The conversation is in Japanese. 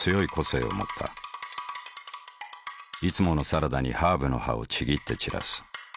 いつものサラダにハーブの葉をちぎって散らす。